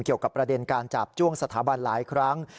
เกี่ยวกับประเด็นการจาบจ้วงสถาบันหลายครั้ง